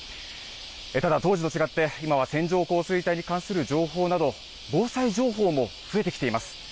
ただ当時と違って、今は線状降水帯に関する情報など、防災情報も増えてきています。